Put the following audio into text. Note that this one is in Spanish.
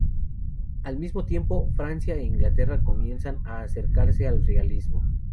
Al mismo tiempo, Francia e Inglaterra comienzan a acercarse al realismo.